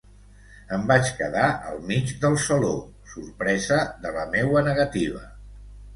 Em vaig quedar al mig del saló, sorpresa de la meua negativa.